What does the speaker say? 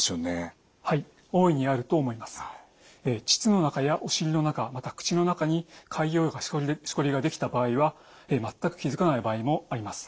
膣の中やお尻の中また口の中に潰瘍とかしこりができた場合は全く気付かない場合もあります。